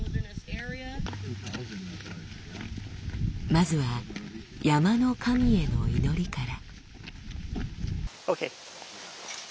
まずは山の神への祈りから。